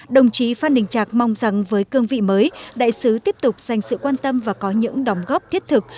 đồng chí phan đình trạc mong rằng với cương vị mới đại sứ tiếp tục dành sự quan tâm và có những đóng góp thiết thực